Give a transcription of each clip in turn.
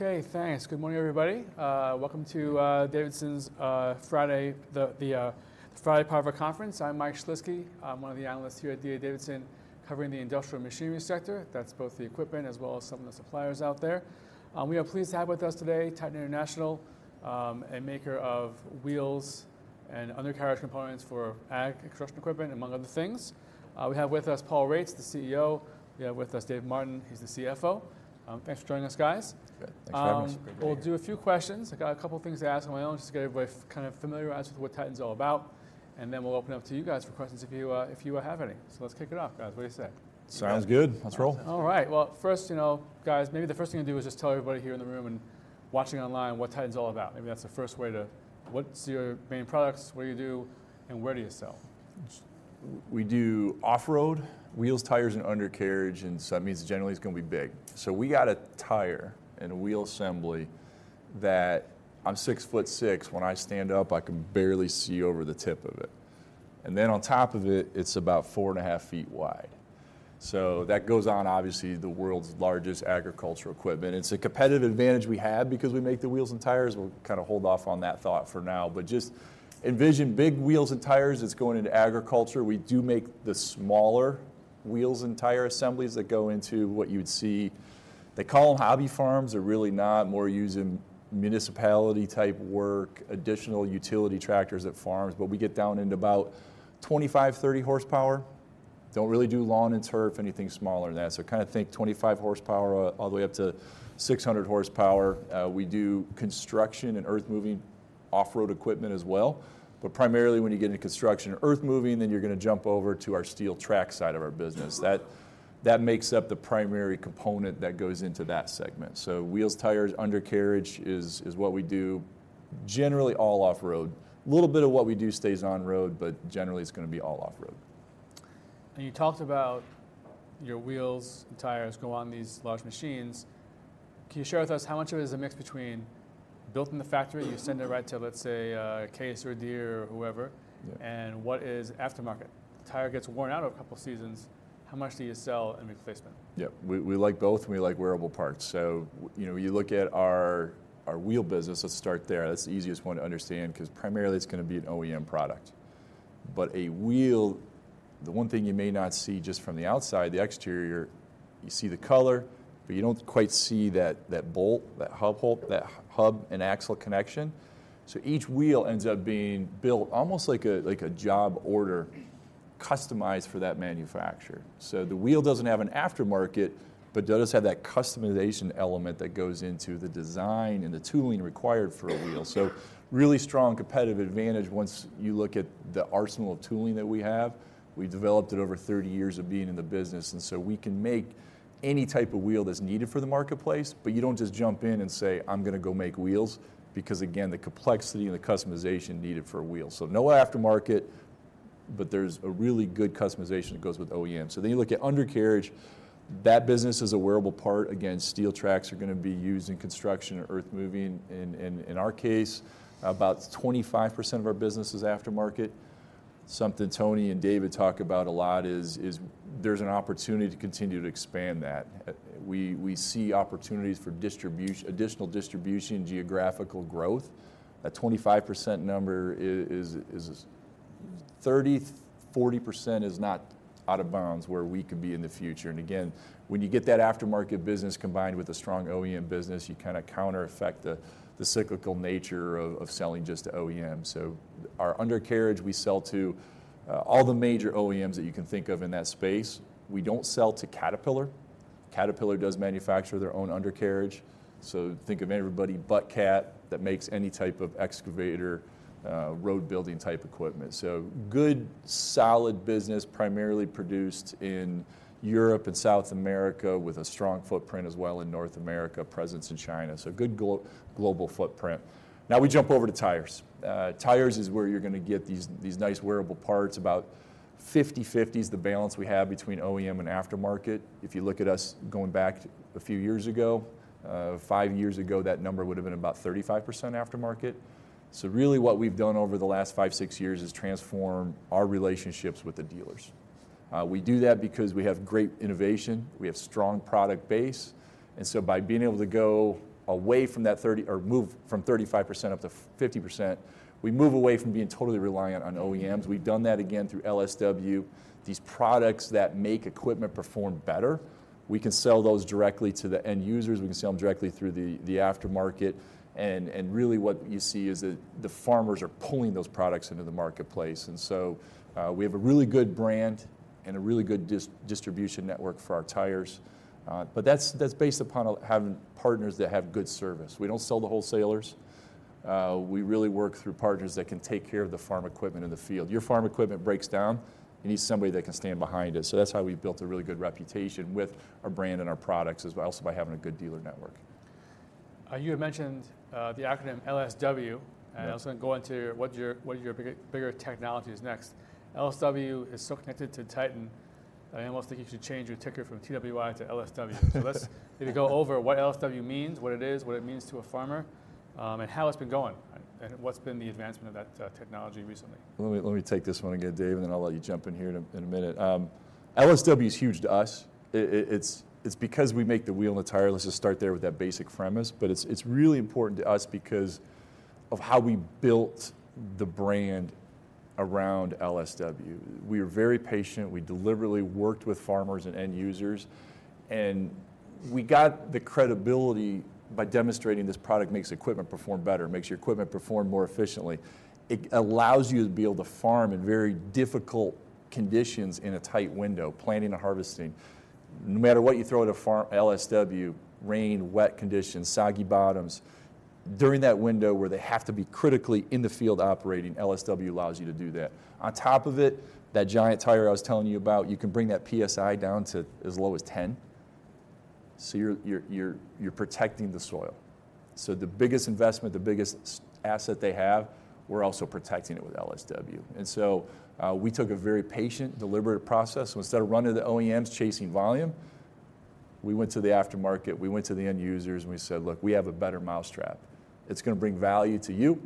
Okay, thanks. Good morning, everybody. Welcome to Davidson's Friday, the Friday Power Conference. I'm Mike Shlisky. I'm one of the analysts here at D.A. Davidson, covering the industrial machinery sector. That's both the equipment as well as some of the suppliers out there. We are pleased to have with us today Titan International, a maker of wheels and undercarriage components for ag and construction equipment, among other things. We have with us Paul Reitz, the CEO. We have with us Dave Martin, he's the CFO. Thanks for joining us, guys. Good. Thanks very much. Good to be here. We'll do a few questions. I got a couple of things to ask on my own, just to get everybody kind of familiarized with what Titan's all about, and then we'll open it up to you guys for questions if you, if you, have any. So let's kick it off, guys. What do you say? Sounds good. Yeah. Let's roll. All right. Well, first, you know, guys, maybe the first thing to do is just tell everybody here in the room and watching online what Titan's all about. Maybe that's the first way to... What's your main products, what do you do, and where do you sell? We do off-road, wheels, tires, and undercarriage, and so that means generally it's gonna be big. So we got a tire and a wheel assembly that, I'm 6 foot 6, when I stand up, I can barely see over the tip of it. And then on top of it, it's about 4.5 feet wide. So that goes on, obviously, the world's largest agricultural equipment. It's a competitive advantage we have because we make the wheels and tires. We'll kind of hold off on that thought for now. But just envision big wheels and tires that's going into agriculture. We do make the smaller wheels and tire assemblies that go into what you'd see, they call them hobby farms, they're really not, more used in municipality type work, additional utility tractors at farms. But we get down into about 25, 30 horsepower. Don't really do lawn and turf, anything smaller than that. So kind of think 25 horsepower, all the way up to 600 horsepower. We do construction and earthmoving off-road equipment as well. But primarily, when you get into construction, earthmoving, then you're gonna jump over to our steel track side of our business. That, that makes up the primary component that goes into that segment. So wheels, tires, undercarriage is, is what we do, generally all off-road. A little bit of what we do stays on-road, but generally it's gonna be all off-road. And you talked about your wheels and tires go on these large machines. Can you share with us how much of it is a mix between built in the factory, you send it right to, let's say, Case or Deere or whoever? Yeah... and what is aftermarket? Tire gets worn out over a couple seasons, how much do you sell in replacement? Yeah. We, we like both, and we like wearable parts. So you know, you look at our, our wheel business, let's start there. That's the easiest one to understand, 'cause primarily it's gonna be an OEM product. But a wheel, the one thing you may not see just from the outside, the exterior, you see the color, but you don't quite see that, that bolt, that hub hole, that hub and axle connection. So each wheel ends up being built almost like a, like a job order, customized for that manufacturer. So the wheel doesn't have an aftermarket, but it does have that customization element that goes into the design and the tooling required for a wheel. So really strong competitive advantage once you look at the arsenal of tooling that we have. We've developed it over 30 years of being in the business, and we can make any type of wheel that's needed for the marketplace. You don't just jump in and say, "I'm gonna go make wheels," because, again, the complexity and the customization needed for a wheel. No aftermarket, but there's a really good customization that goes with OEM. You look at undercarriage, that business is a wearable part. Again, steel tracks are gonna be used in construction or earthmoving. In our case, about 25% of our business is aftermarket. Something Tony and David talk about a lot is there's an opportunity to continue to expand that. We see opportunities for additional distribution, geographical growth. That 25% number is... 30%, 40% is not out of bounds where we could be in the future. And again, when you get that aftermarket business combined with a strong OEM business, you kinda countereffect the cyclical nature of selling just to OEMs. So our undercarriage, we sell to all the major OEMs that you can think of in that space. We don't sell to Caterpillar. Caterpillar does manufacture their own undercarriage, so think of everybody but Cat that makes any type of excavator, road-building type equipment. So good, solid business, primarily produced in Europe and South America, with a strong footprint as well in North America, presence in China. So good global footprint. Now we jump over to tires. Tires is where you're gonna get these nice wearable parts. About 50/50 is the balance we have between OEM and aftermarket. If you look at us going back a few years ago, five years ago, that number would've been about 35% aftermarket. So really, what we've done over the last 5 years-6 years is transform our relationships with the dealers. We do that because we have great innovation, we have strong product base, and so by being able to go away from that 30, or move from 35% up to 50%, we move away from being totally reliant on OEMs. We've done that again through LSW. These products that make equipment perform better, we can sell those directly to the end users, we can sell them directly through the after market, and really what you see is that the farmers are pulling those products into the marketplace. And so, we have a really good brand and a really good distribution network for our tires. But that's based upon having partners that have good service. We don't sell to wholesalers. We really work through partners that can take care of the farm equipment in the field. Your farm equipment breaks down, you need somebody that can stand behind it. So that's how we've built a really good reputation with our brand and our products, as well, also by having a good dealer network. You had mentioned the acronym LSW. Yeah. I also wanna go into what your, what are your big- bigger technologies next. LSW is so connected to Titan, I almost think you should change your ticker from TWI to LSW. Let's maybe go over what LSW means, what it is, what it means to a farmer, and how it's been going, and what's been the advancement of that technology recently? Let me take this one again, Dave, and then I'll let you jump in here in a minute. LSW is huge to us. It's because we make the wheel and the tire. Let's just start there with that basic premise, but it's really important to us because of how we built the brand around LSW. We were very patient. We deliberately worked with farmers and end users, and we got the credibility by demonstrating this product makes equipment perform better, makes your equipment perform more efficiently. It allows you to be able to farm in very difficult conditions in a tight window, planting and harvesting. No matter what you throw at a farm, LSW, rain, wet conditions, soggy bottoms, during that window where they have to be critically in the field operating, LSW allows you to do that. On top of it, that giant tire I was telling you about, you can bring that PSI down to as low as 10, so you're protecting the soil. So the biggest investment, the biggest asset they have, we're also protecting it with LSW. And so, we took a very patient, deliberate process. So instead of running to the OEMs, chasing volume, we went to the aftermarket, we went to the end users, and we said, "Look, we have a better mousetrap. It's gonna bring value to you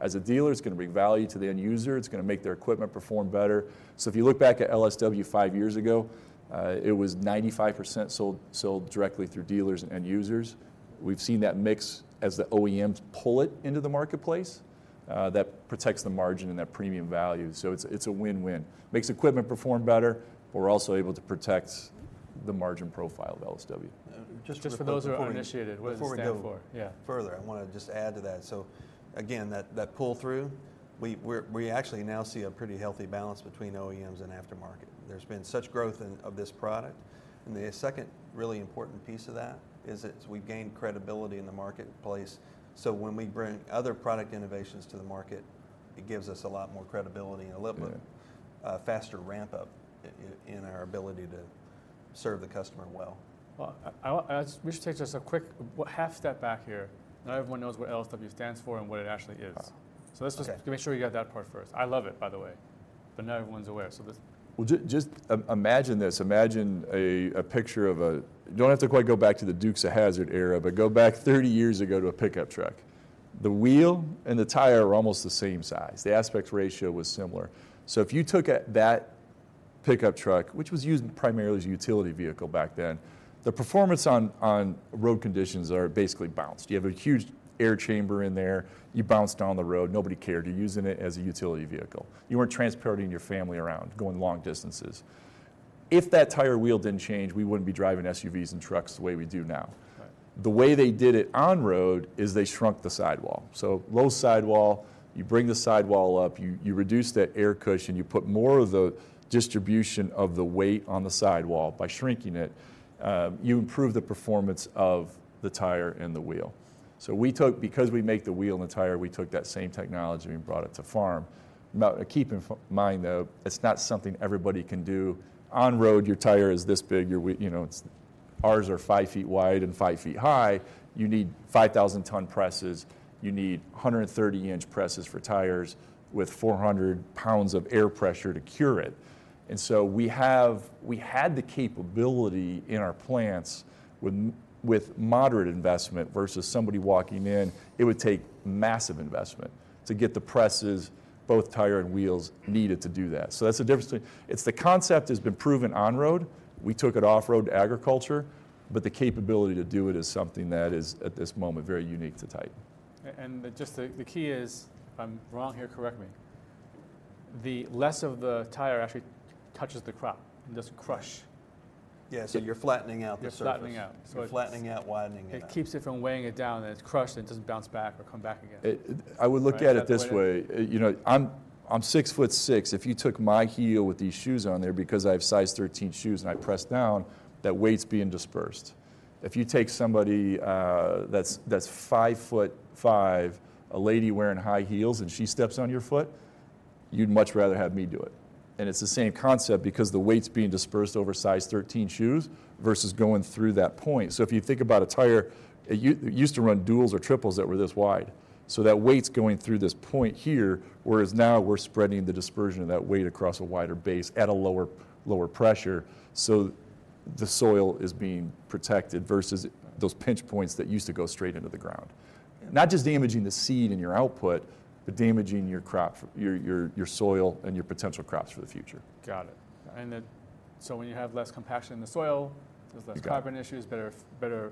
as a dealer. It's gonna bring value to the end user. It's gonna make their equipment perform better." So if you look back at LSW five years ago, it was 95% sold, sold directly through dealers and end users. We've seen that mix as the OEMs pull it into the marketplace, that protects the margin and that premium value, so it's a win-win. Makes equipment perform better, but we're also able to protect the margin profile of LSW. Just for those who are uninitiated, what does it stand for? Before we go- Yeah. Further, I wanna just add to that. Again, that pull-through, we actually now see a pretty healthy balance between OEMs and aftermarket. There's been such growth in this product, and the second really important piece of that is we've gained credibility in the marketplace. When we bring other product innovations to the market, it gives us a lot more credibility. Mm-hmm... and a little bit faster ramp-up in our ability to serve the customer well. Well, we should take just a quick half step back here. Not everyone knows what LSW stands for and what it actually is. Uh-huh. Okay. So let's just make sure we got that part first. I love it, by the way, but not everyone's aware, so let's- Well, just imagine this: imagine a picture of a... You don't have to quite go back to the Dukes of Hazzard era, but go back 30 years ago to a pickup truck. The wheel and the tire are almost the same size. The aspect ratio was similar. So if you took that pickup truck, which was used primarily as a utility vehicle back then, the performance on road conditions are basically bounced. You have a huge air chamber in there, you bounce down the road, nobody cared. You're using it as a utility vehicle. You weren't transporting your family around, going long distances. If that tire wheel didn't change, we wouldn't be driving SUVs and trucks the way we do now. Right. The way they did it on-road is they shrunk the sidewall. So low sidewall, you bring the sidewall up, you reduce that air cushion, you put more of the distribution of the weight on the sidewall by shrinking it. You improve the performance of the tire and the wheel. So we took, because we make the wheel and the tire, we took that same technology and brought it to farm. Now, keep in mind, though, it's not something everybody can do. On-road, your tire is this big, your wheel, you know, it's... Ours are 5 feet wide and 5 feet high. You need 5,000-ton presses, you need 130-inch presses for tires with 400 pounds of air pressure to cure it. And so we have, we had the capability in our plants with moderate investment, versus somebody walking in, it would take massive investment to get the presses, both tire and wheels, needed to do that. So that's the difference between... It's the concept has been proven on-road. We took it off-road to agriculture, but the capability to do it is something that is, at this moment, very unique to Titan. The key is, if I'm wrong here, correct me, the less of the tire actually touches the crop and doesn't crush. Yeah, so you're flattening out the surface. You're flattening out. You're flattening out, widening it out. It keeps it from weighing it down, and it's crushed, and it doesn't bounce back or come back again. I would look at it this way- Is that the right way? You know, I'm 6 foot 6. If you took my heel with these shoes on there, because I have size 13 shoes, and I press down, that weight's being dispersed. If you take somebody that's 5 foot 5, a lady wearing high heels, and she steps on your foot, you'd much rather have me do it. And it's the same concept because the weight's being dispersed over size 13 shoes versus going through that point. So if you think about a tire, you used to run duals or triples that were this wide, so that weight's going through this point here, whereas now we're spreading the dispersion of that weight across a wider base at a lower, lower pressure. So the soil is being protected versus those pinch points that used to go straight into the ground. Not just damaging the seed and your output, but damaging your crop, your soil and your potential crops for the future. Got it. And then, so when you have less compaction in the soil- That's right... there's less carbon issues, better, better,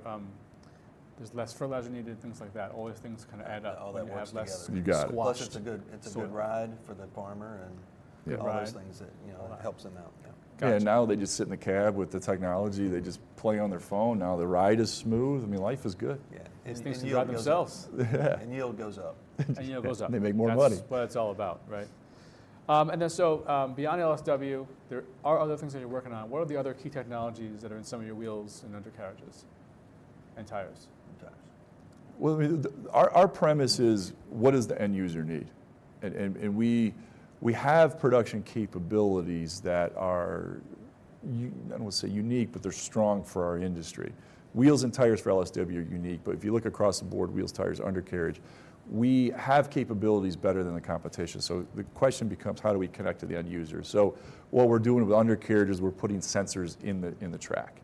there's less fertilizer needed, things like that. All these things kind of add up- All that works together. You got it. Plus, it's a good- So-... it's a good ride for the farmer, and- Yeah... all those things that, you know, helps them out. Gotcha. Yeah, now they just sit in the cab with the technology. They just play on their phone. Now, the ride is smooth. I mean, life is good. Yeah. It needs to drive themselves. Yeah. Yield goes up. Yield goes up. They make more money. That's what it's all about, right? And then so, beyond LSW, there are other things that you're working on. What are the other key technologies that are in some of your wheels and undercarriages and tires? And tires. Well, I mean, our premise is: What does the end user need? And we have production capabilities that are u- I don't wanna say unique, but they're strong for our industry. Wheels and tires for LSW are unique, but if you look across the board, wheels, tires, undercarriage, we have capabilities better than the competition. So the question becomes, how do we connect to the end user? So what we're doing with undercarriage is we're putting sensors in the track.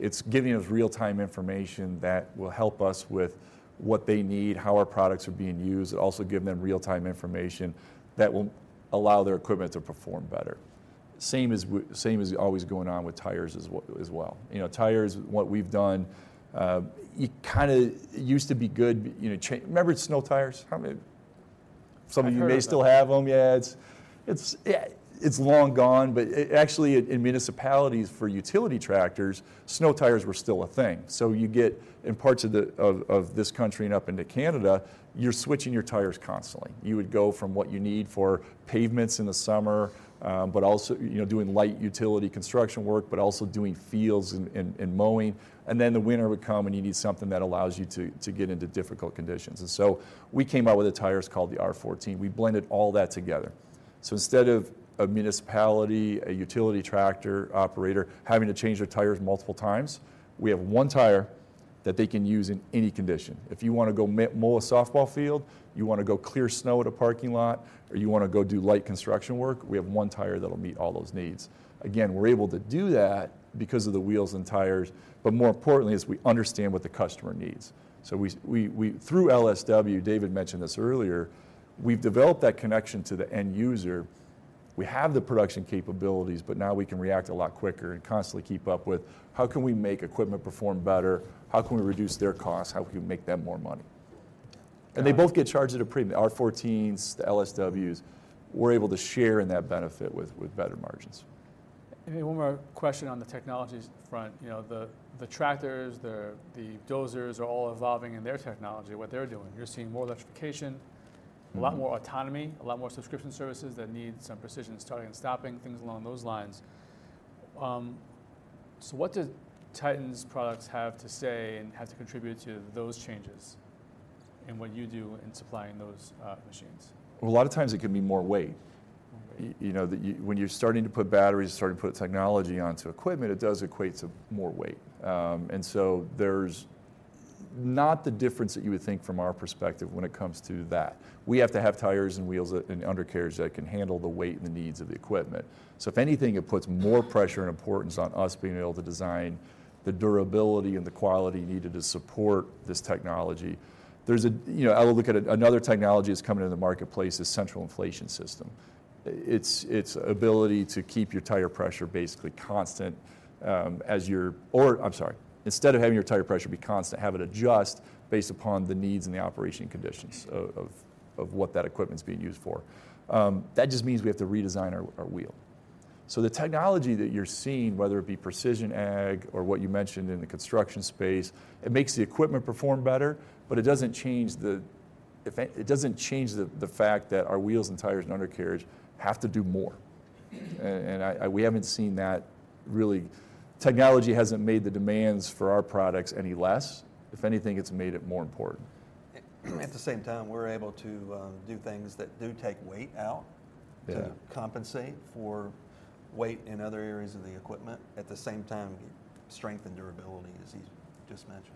It's giving us real-time information that will help us with what they need, how our products are being used, and also giving them real-time information that will allow their equipment to perform better... same as always going on with tires as well. You know, tires, what we've done, you kinda, it used to be good, you know, cha- remember snow tires? How many... Some of you may still have them. I've heard of them. Yeah, it's, it's, it's long gone, but actually, in municipalities for utility tractors, snow tires were still a thing. You get, in parts of the, of, of this country and up into Canada, you're switching your tires constantly. You would go from what you need for pavements in the summer, you know, doing light utility construction work, but also doing fields and, and, and mowing. The winter would come, and you need something that allows you to get into difficult conditions. We came out with the tires called the R14. We blended all that together. Instead of a municipality, a utility tractor operator having to change their tires multiple times, we have one tire that they can use in any condition. If you wanna go mow a softball field, you wanna go clear snow at a parking lot, or you wanna go do light construction work, we have one tire that'll meet all those needs. Again, we're able to do that because of the wheels and tires, but more importantly is we understand what the customer needs. So we... Through LSW, David mentioned this earlier, we've developed that connection to the end user. We have the production capabilities, but now we can react a lot quicker and constantly keep up with, how can we make equipment perform better? How can we reduce their costs? How can we make them more money? Got it. They both get charged at a premium. R14s, the LSWs, we're able to share in that benefit with better margins. Maybe one more question on the technologies front. You know, the tractors, the dozers are all evolving in their technology, what they're doing. You're seeing more electrification- Mm-hmm. ... a lot more autonomy, a lot more subscription services that need some precision starting and stopping, things along those lines. So what does Titan's products have to say and have to contribute to those changes, and what you do in supplying those, machines? Well, a lot of times it can mean more weight. More weight. You know, when you're starting to put batteries, starting to put technology onto equipment, it does equate to more weight. There's not the difference that you would think from our perspective when it comes to that. We have to have tires and wheels and undercarriages that can handle the weight and the needs of the equipment. If anything, it puts more pressure and importance on us being able to design the durability and the quality needed to support this technology. There's a, you know, I will look at another technology that's coming into the marketplace, central inflation system. Its ability to keep your tire pressure basically constant, as you're, or... I'm sorry. Instead of having your tire pressure be constant, have it adjust based upon the needs and the operation conditions of what that equipment's being used for. That just means we have to redesign our wheel. So the technology that you're seeing, whether it be precision ag or what you mentioned in the construction space, it makes the equipment perform better, but it doesn't change the fact that our wheels and tires and undercarriage have to do more. And we haven't seen that really. Technology hasn't made the demands for our products any less. If anything, it's made it more important. At the same time, we're able to do things that do take weight out- Yeah... to compensate for weight in other areas of the equipment, at the same time, strength and durability, as he just mentioned.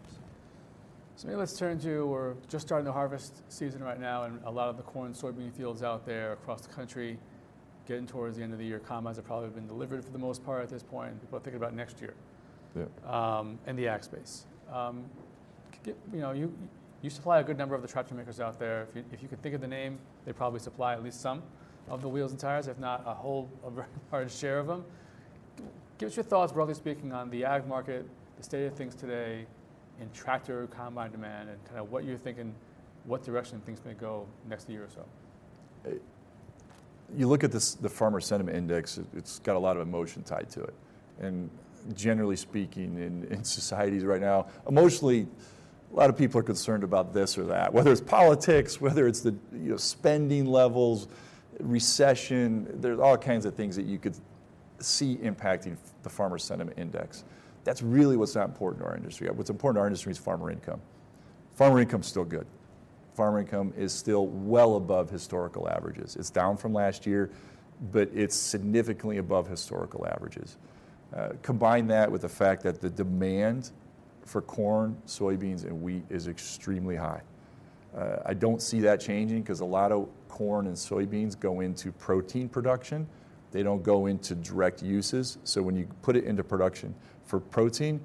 So maybe let's turn to. We're just starting the harvest season right now, and a lot of the corn and soybean fields out there across the country, getting towards the end of the year, combines have probably been delivered for the most part at this point. People are thinking about next year- Yeah... and the ag space. You know, you, you supply a good number of the tractor makers out there. If you, if you can think of the name, they probably supply at least some of the wheels and tires, if not a whole, large share of them. Give us your thoughts, broadly speaking, on the ag market, the state of things today, and tractor or combine demand, and kinda what you're thinking, what direction things may go next year or so. You look at the farmer sentiment index, it's got a lot of emotion tied to it, and generally speaking, in societies right now, emotionally, a lot of people are concerned about this or that. Whether it's politics, whether it's the, you know, spending levels, recession, there's all kinds of things that you could see impacting the farmer sentiment index. That's really what's not important to our industry. What's important to our industry is farmer income. Farmer income's still good. Farmer income is still well above historical averages. It's down from last year, but it's significantly above historical averages. Combine that with the fact that the demand for corn, soybeans, and wheat is extremely high. I don't see that changing, 'cause a lot of corn and soybeans go into protein production. They don't go into direct uses, so when you put it into production for protein,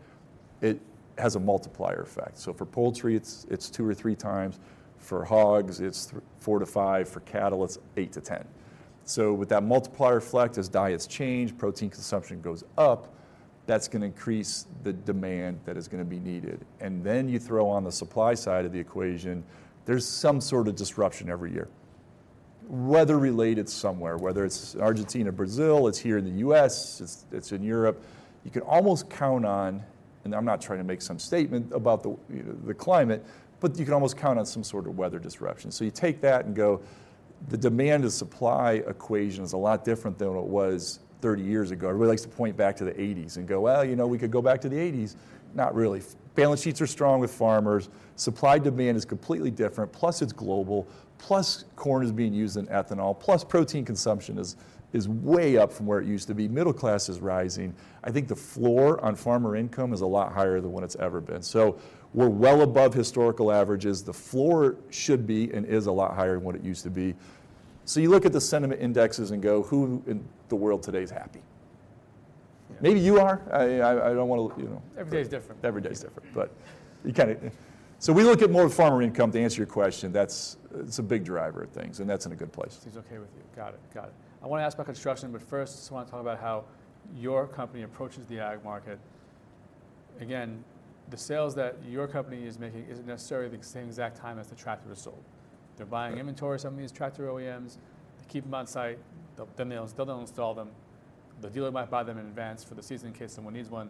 it has a multiplier effect. So for poultry, it's 2x or 3x. For hogs, it's 4-5. For cattle, it's 8-10. So with that multiplier effect, as diets change, protein consumption goes up, that's gonna increase the demand that is gonna be needed. And then you throw on the supply side of the equation, there's some sort of disruption every year, weather-related somewhere, whether it's Argentina, Brazil, it's here in the U.S., it's in Europe. You can almost count on, and I'm not trying to make some statement about the, you know, the climate, but you can almost count on some sort of weather disruption. So you take that and go, the demand-to-supply equation is a lot different than what it was 30 years ago. Everybody likes to point back to the '80s and go, "Well, you know, we could go back to the '80s." Not really. Balance sheets are strong with farmers, supply-demand is completely different, plus it's global, plus corn is being used in ethanol, plus protein consumption is way up from where it used to be. Middle class is rising. I think the floor on farmer income is a lot higher than what it's ever been. So we're well above historical averages. The floor should be, and is, a lot higher than what it used to be. So you look at the sentiment indexes and go, "Who in the world today is happy?"... maybe you are. I don't wanna, you know. Every day is different. Every day is different. So we look at more farmer income, to answer your question. That's, it's a big driver of things, and that's in a good place. Things okay with you. Got it. Got it. I wanna ask about construction, but first, just wanna talk about how your company approaches the ag market. Again, the sales that your company is making isn't necessarily the same exact time as the tractor is sold. Right. They're buying inventory, some of these tractor OEMs, they keep 'em on site, they'll, they'll install them. The dealer might buy them in advance for the season in case someone needs one.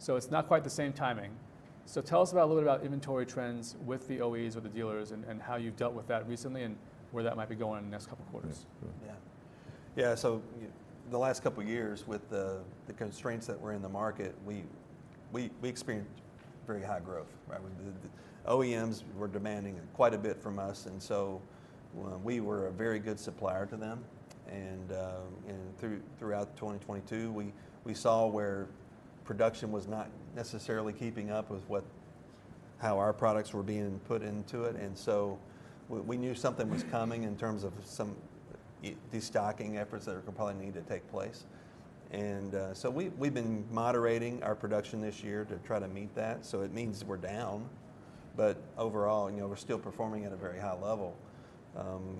It's not quite the same timing. Tell us a little about inventory trends with the OEs or the dealers, and how you've dealt with that recently, and where that might be going in the next couple of quarters. Yeah. Yeah, the last couple of years with the constraints that were in the market, we experienced very high growth, right? We, the OEMs were demanding quite a bit from us, and we were a very good supplier to them. Throughout 2022, we saw where production was not necessarily keeping up with how our products were being put into it. We knew something was coming in terms of some destocking efforts that were probably needing to take place. We've been moderating our production this year to try to meet that, so it means we're down, but overall, you know, we're still performing at a very high level.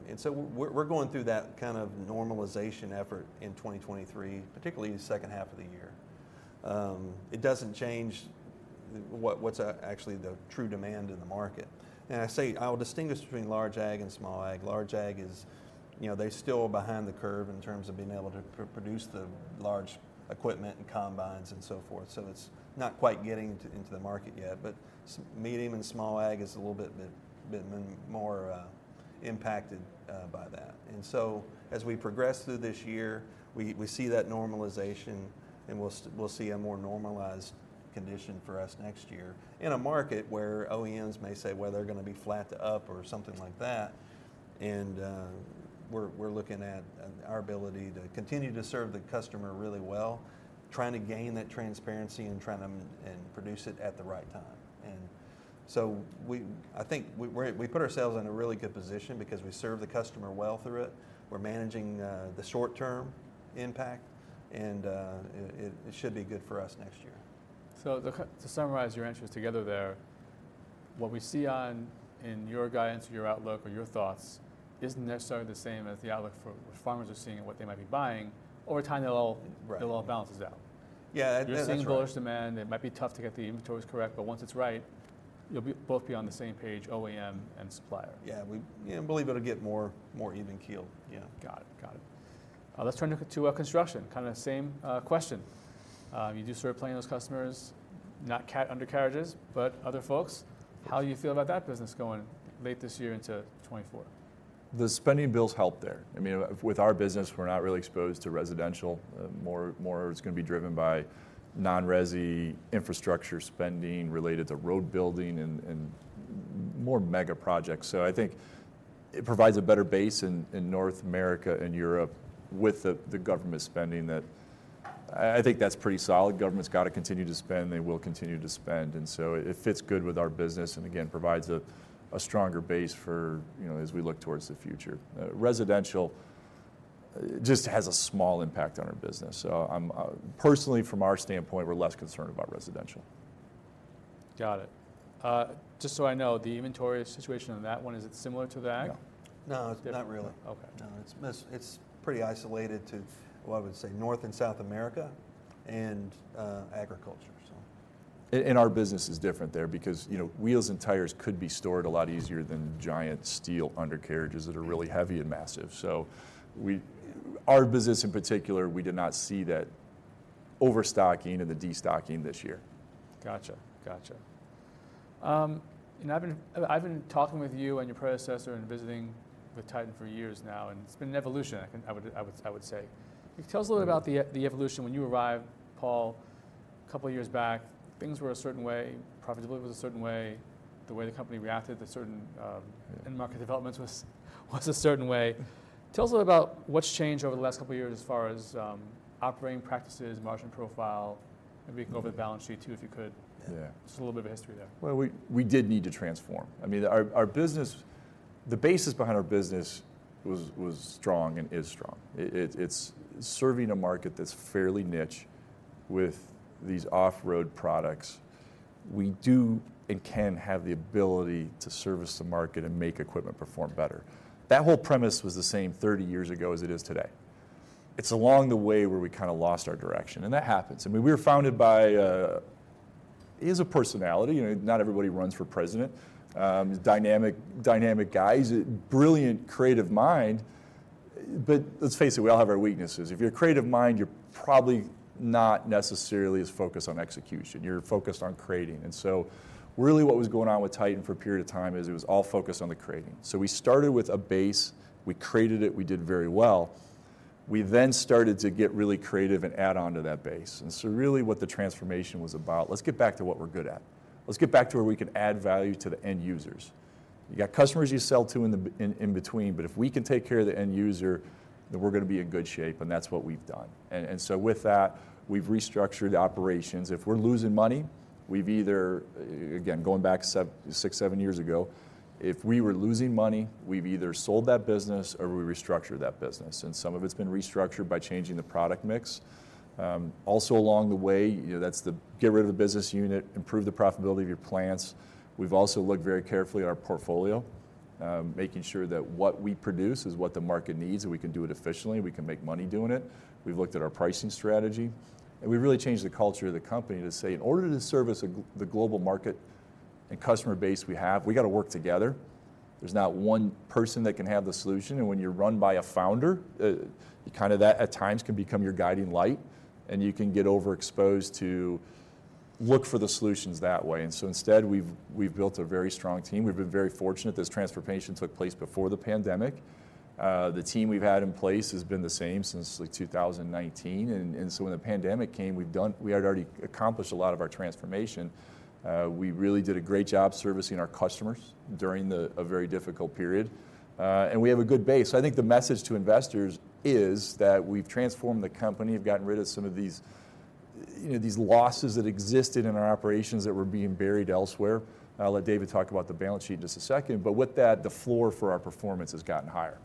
And so we're going through that kind of normalization effort in 2023, particularly in the second half of the year. It doesn't change actually the true demand in the market. And I'll distinguish between large ag and small ag. Large ag is, you know, they still are behind the curve in terms of being able to produce the large equipment and combines and so forth, so it's not quite getting into the market yet. But medium and small ag is a little bit more impacted by that. And so, as we progress through this year, we see that normalization, and we'll see a more normalized condition for us next year in a market where OEMs may say whether they're gonna be flat to up or something like that. We're looking at our ability to continue to serve the customer really well, trying to gain that transparency, and produce it at the right time. So I think we put ourselves in a really good position because we serve the customer well through it, we're managing the short-term impact, and it should be good for us next year. So to summarize your answers together there, what we see on, in your guidance, or your outlook, or your thoughts, isn't necessarily the same as the outlook for what farmers are seeing and what they might be buying. Over time, that all- Right... it all balances out. Yeah, that, that's right. You're seeing bullish demand, it might be tough to get the inventories correct, but once it's right, you'll both be on the same page, OEM and supplier. Yeah, we believe it'll get more even keeled. Yeah. Got it. Got it. Let's turn to construction. Kinda the same question. You do sort of play in those customers, not Cat undercarriages, but other folks. How do you feel about that business going late this year into 2024? The spending bills help there. I mean, with our business, we're not really exposed to residential. More of it's gonna be driven by non-resi, infrastructure spending related to road building and more mega projects. So I think it provides a better base in North America and Europe with the government spending, that I think that's pretty solid. Government's gotta continue to spend, and they will continue to spend, and so it fits good with our business, and again, provides a stronger base for, you know, as we look towards the future. Residential just has a small impact on our business. So I'm personally, from our standpoint, we're less concerned about residential. Got it. Just so I know, the inventory situation on that one, is it similar to the ag? No. No, not really. Okay. No, it's pretty isolated to, well, I would say North and South America, and agriculture, so. Our business is different there because, you know, wheels and tires could be stored a lot easier than giant steel undercarriages that are really heavy and massive. So we, our business in particular, we did not see that overstocking and the destocking this year. Gotcha. Gotcha. And I've been talking with you and your predecessor and visiting with Titan for years now, and it's been an evolution, I would say. Tell us a little about the evolution when you arrived, Paul. A couple of years back, things were a certain way, profitability was a certain way, the way the company reacted to certain end-market developments was a certain way. Tell us a little about what's changed over the last couple of years as far as operating practices, margin profile, maybe go over the balance sheet, too, if you could. Yeah. Just a little bit of history there. Well, we did need to transform. I mean, our business, the basis behind our business was strong and is strong. It's serving a market that's fairly niche with these off-road products. We do and can have the ability to service the market and make equipment perform better. That whole premise was the same 30 years ago as it is today. It's along the way where we kinda lost our direction, and that happens. I mean, we were founded by, he is a personality, you know, not everybody runs for president, dynamic guy. He's a brilliant, creative mind, but let's face it, we all have our weaknesses. If you're a creative mind, you're probably not necessarily as focused on execution. You're focused on creating. And so really what was going on with Titan for a period of time is it was all focused on the creating. So we started with a base, we created it, we did very well. We then started to get really creative and add on to that base, and so really what the transformation was about: Let's get back to what we're good at. Let's get back to where we can add value to the end users. You got customers you sell to in the in between, but if we can take care of the end user, then we're gonna be in good shape, and that's what we've done. And so with that, we've restructured operations. If we're losing money-... We've either, again, going back six, seven years ago, if we were losing money, we've either sold that business or we restructured that business, and some of it's been restructured by changing the product mix. Also along the way, you know, that's the get rid of the business unit, improve the profitability of your plants. We've also looked very carefully at our portfolio, making sure that what we produce is what the market needs, and we can do it efficiently, we can make money doing it. We've looked at our pricing strategy, and we've really changed the culture of the company to say, in order to service the global market and customer base we have, we've gotta work together. There's not one person that can have the solution, and when you're run by a founder, kind of that at times can become your guiding light, and you can get overexposed to look for the solutions that way. Instead, we've built a very strong team. We've been very fortunate this transformation took place before the pandemic. The team we've had in place has been the same since, like, 2019, and when the pandemic came, we'd already accomplished a lot of our transformation. We really did a great job servicing our customers during a very difficult period, and we have a good base. I think the message to investors is that we've transformed the company, we've gotten rid of some of these, you know, these losses that existed in our operations that were being buried elsewhere. I'll let David talk about the balance sheet in just a second, but with that, the floor for our performance has gotten higher.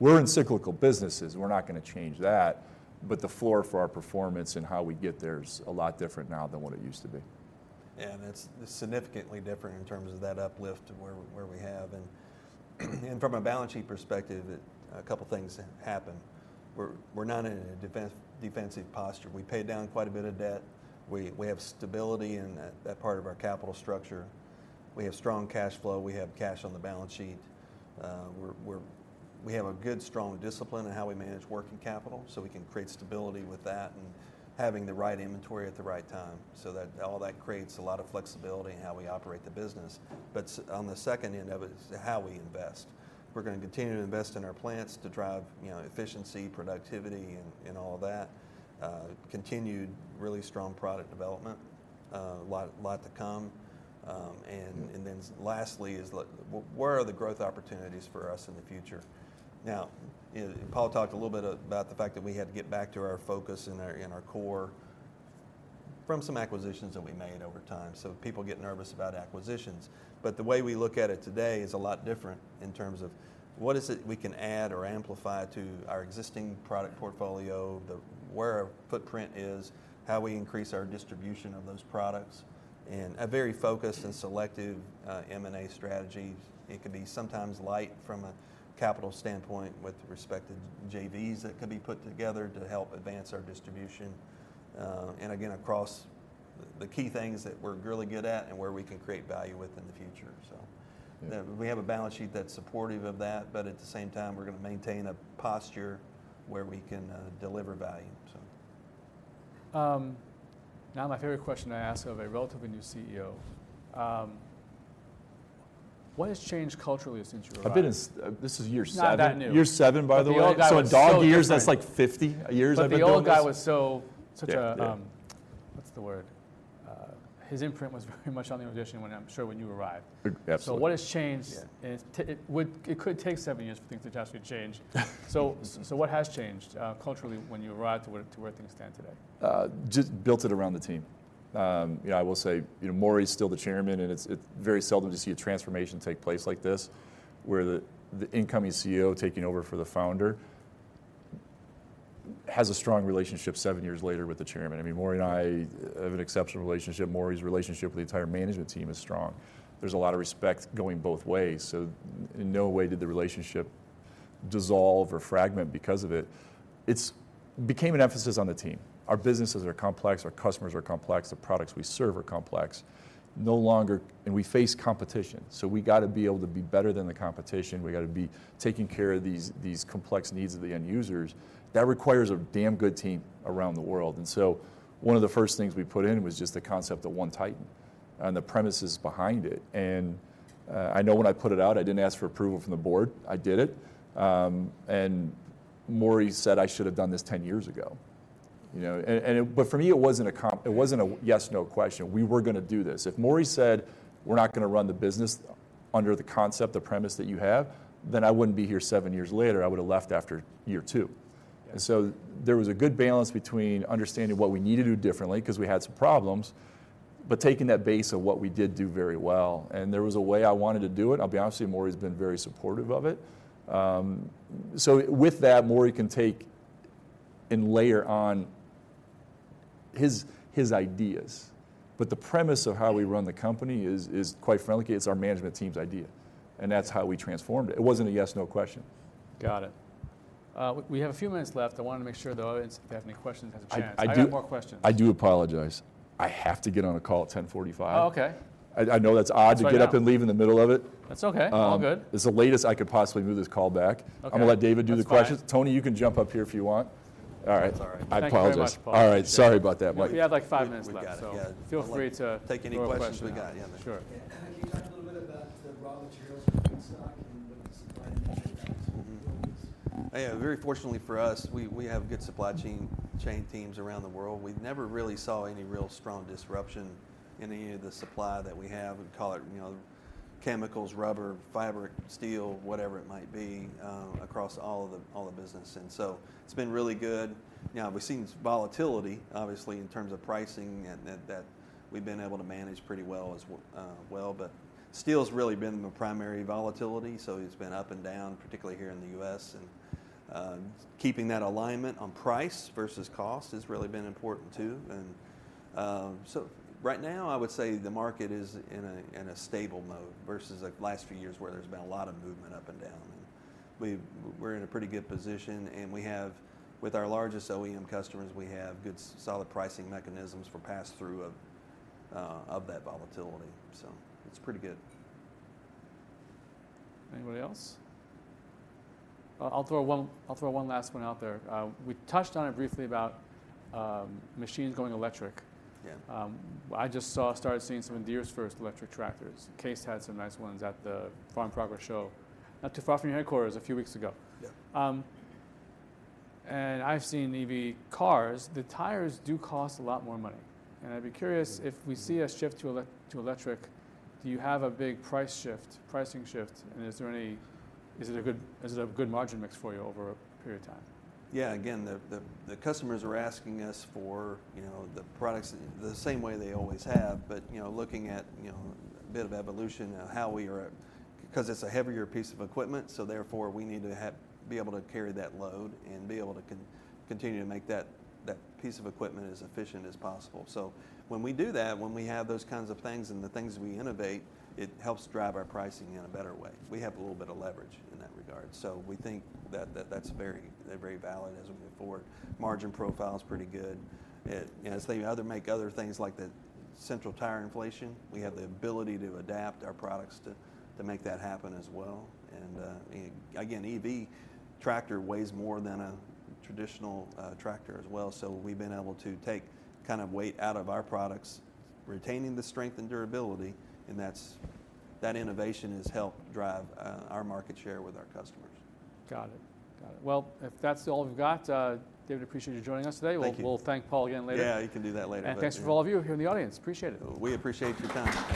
We're in cyclical businesses, we're not gonna change that, but the floor for our performance and how we get there is a lot different now than what it used to be. It's significantly different in terms of that uplift to where we have. From a balance sheet perspective, a couple things happened. We're not in a defensive posture. We paid down quite a bit of debt. We have stability in that part of our capital structure. We have strong cash flow. We have cash on the balance sheet. We're-- we have a good, strong discipline in how we manage working capital, so we can create stability with that, and having the right inventory at the right time. All that creates a lot of flexibility in how we operate the business. On the second end of it is how we invest. We're gonna continue to invest in our plants to drive, you know, efficiency, productivity, and all that. Continued really strong product development, a lot, lot to come. Lastly, where are the growth opportunities for us in the future? Now, Paul talked a little bit about the fact that we had to get back to our focus and our, and our core from some acquisitions that we made over time. So people get nervous about acquisitions, but the way we look at it today is a lot different in terms of what is it we can add or amplify to our existing product portfolio, where our footprint is, how we increase our distribution of those products, and a very focused and selective M&A strategy. It could be sometimes light from a capital standpoint with respect to JVs that could be put together to help advance our distribution. And again, across the key things that we're really good at, and where we can create value within the future, so. Yeah. We have a balance sheet that's supportive of that, but at the same time, we're gonna maintain a posture where we can deliver value, so. Now my favorite question to ask of a relatively new CEO. What has changed culturally since you arrived? I've been in. This is year seven. Not that new. Year seven, by the way. But the old guy was so different- In dog years, that's like 50 years I've been doing this. But the old guy was such a Yeah, yeah... what's the word? His imprint was very much on the organization when, I'm sure, when you arrived. Absolutely. What has changed? Yeah. It could take seven years for things to actually change. So what has changed culturally when you arrived to where things stand today? Just built it around the team. Yeah, I will say, you know, Maury's still the chairman, and it's very seldom to see a transformation take place like this, where the incoming CEO taking over for the founder has a strong relationship seven years later with the chairman. I mean, Maury and I have an exceptional relationship. Maury's relationship with the entire management team is strong. There's a lot of respect going both ways, so in no way did the relationship dissolve or fragment because of it. It's became an emphasis on the team. Our businesses are complex, our customers are complex, the products we serve are complex. No longer... And we face competition, so we gotta be able to be better than the competition. We gotta be taking care of these complex needs of the end users. That requires a damn good team around the world, and so one of the first things we put in was just the concept of One Titan and the premises behind it. I know when I put it out, I didn't ask for approval from the board. I did it, and Maury said I should have done this 10 years ago. You know, and it... But for me, it wasn't a yes, no question. We were gonna do this. If Maury said, "We're not gonna run the business under the concept, the premise that you have," then I wouldn't be here seven years later. I would've left after year two. Yeah. There was a good balance between understanding what we need to do differently, 'cause we had some problems, but taking that base of what we did do very well, and there was a way I wanted to do it. I'll be honest with you, Maury's been very supportive of it. With that, Maury can take and layer on his ideas, but the premise of how we run the company is, quite frankly, it's our management team's idea, and that's how we transformed it. It wasn't a yes, no question. Got it. We have a few minutes left. I wanted to make sure the audience, if they have any questions, has a chance. I do- I have more questions. I do apologize. I have to get on a call at 10:45. Oh, okay. I know that's odd- That's fine... to get up and leave in the middle of it. That's okay. Um. All good. It's the latest I could possibly move this call back. Okay. I'm gonna let David do the questions. That's fine. Tony, you can jump up here if you want. All right. That's all right. I apologize. Thank you very much, Paul. All right, sorry about that, Mike. We have, like, 5 minutes left. We've got it. Yeah. So feel free to- Take any more questions we got? Yeah.... sure. Can you talk a little bit about the raw materials for stock and the supply chain? Mm-hmm. Yeah, very fortunately for us, we have good supply chain teams around the world. We never really saw any real strong disruption in any of the supply that we have, and call it, you know, chemicals, rubber, fabric, steel, whatever it might be, across all of the business. It's been really good. Now, we've seen some volatility, obviously, in terms of pricing, and that we've been able to manage pretty well as well. Steel's really been the primary volatility, so it's been up and down, particularly here in the U.S. Keeping that alignment on price versus cost has really been important, too. So right now, I would say the market is in a stable mode versus, like, the last few years, where there's been a lot of movement up and down. We're in a pretty good position, and we have, with our largest OEM customers, we have good, solid pricing mechanisms for pass-through of that volatility. So it's pretty good. Anybody else? I'll throw one last one out there. We touched on it briefly about machines going electric. Yeah. I just saw, started seeing some of Deere's first electric tractors. Case had some nice ones at the Farm Progress Show, not too far from your headquarters, a few weeks ago. Yeah. I've seen EV cars. The tires do cost a lot more money, and I'd be curious- Mm-hmm, mm-hmm... if we see a shift to electric, do you have a big price shift, pricing shift, and is it a good margin mix for you over a period of time? Yeah, again, the customers are asking us for, you know, the products the same way they always have. But, you know, looking at, you know, a bit of evolution and how we are—'cause it's a heavier piece of equipment, so therefore, we need to be able to carry that load and be able to continue to make that piece of equipment as efficient as possible. So when we do that, when we have those kinds of things and the things we innovate, it helps drive our pricing in a better way. We have a little bit of leverage in that regard. So we think that that's very valid as we move forward. Margin profile's pretty good. As they also make other things, like the Central Tire Inflation, we have the ability to adapt our products to make that happen as well. And again, EV tractor weighs more than a traditional tractor as well, so we've been able to take kind of weight out of our products, retaining the strength and durability, and that's. That innovation has helped drive our market share with our customers. Got it. Got it. Well, if that's all we've got, David, appreciate you joining us today. Thank you. We'll thank Paul again later. Yeah, you can do that later. Thanks for all of you here in the audience. Appreciate it. We appreciate your time.